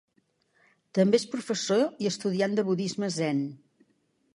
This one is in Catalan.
També és professor i estudiant de budisme zen.